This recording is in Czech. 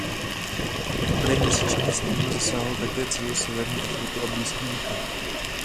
Okraj měsíčního stínu zasáhl také celou severní Afriku a Blízký východ.